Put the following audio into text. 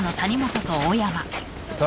誰？